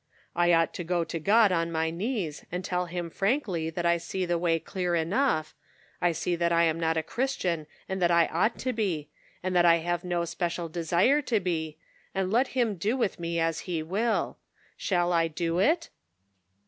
"I ought to go to God on my knees, and tell him frankly that I see the way clear enough; I see that I am not a Christian, and that I ought to be, and that I have no special desire to be, and let him do with me as he will. Shall I do it